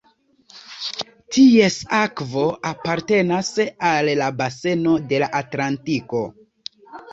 Ties akvo apartenas al la baseno de la Atlantiko.